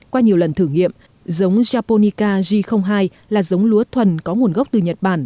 qua nhiều lần thử nghiệm giống japonica g hai là giống lúa thuần có nguồn gốc từ nhật bản